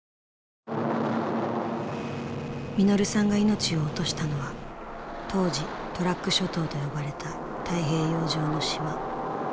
實さんが命を落としたのは当時トラック諸島と呼ばれた太平洋上の島。